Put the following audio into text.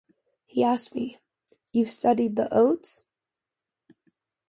He asked me, 'You've studied the Odes?